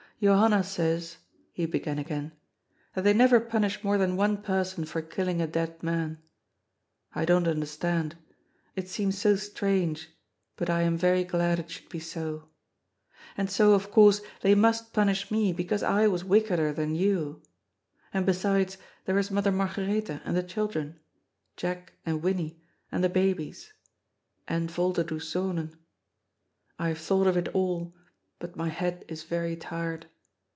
" Johanna says," he began again, " that they never pun ish more than one person for killing a dead man. I don't understand ; it seems so strange, but I am very glad it should be so. And so, of course, they must punish me, because I was wickeder than you. And, besides, there is Mother Margaretha, and the children ; Jack and Winnie, and the babies. And Volderdoes Zonen. I have thought of it all, but my head is very tired.